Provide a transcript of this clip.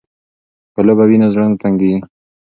که لوبه وي نو زړه نه تنګیږي.